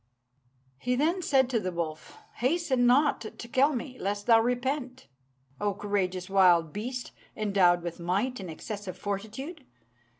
'" He then said to the wolf, "Hasten not to kill me, lest thou repent, O courageous wild beast, endowed with might and excessive fortitude!